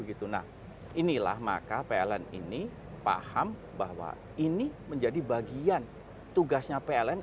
inilah maka pln ini paham bahwa ini menjadi bagian tugasnya pln